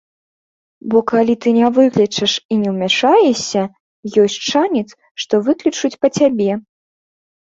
Бо калі ты не выклічаш і ўмяшаешся, ёсць шанец, што выклічуць па цябе.